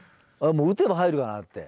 打てば入るかなって。